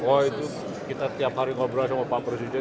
oh itu kita tiap hari ngobrol sama pak presiden